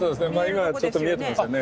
今ちょっと見えてますよね。